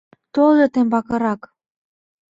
— Толза тембакырак.